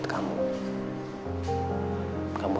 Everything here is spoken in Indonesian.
terima kasih pak